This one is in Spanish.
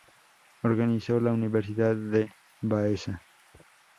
Organizó la Universidad de Baeza.